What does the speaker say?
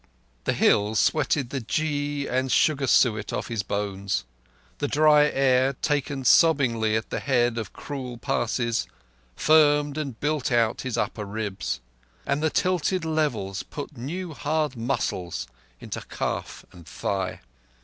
The hills sweated the ghi and sugar suet off his bones; the dry air, taken sobbingly at the head of cruel passes, firmed and built out his upper ribs; and the tilted levels put new hard muscles into calf and thigh.